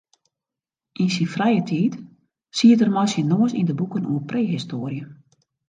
Yn syn frije tiid siet er mei syn noas yn de boeken oer prehistoarje.